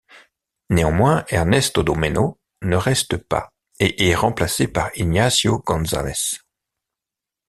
Néanmoins, Ernesto Domeno ne reste pas et est remplacé par Ignacio González.